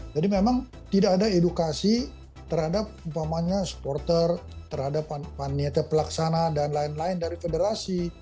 jadi memang tidak ada edukasi terhadap supporter terhadap penyerta pelaksana dan lain lain dari federasi